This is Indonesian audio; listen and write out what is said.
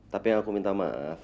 tapi yang aku minta maaf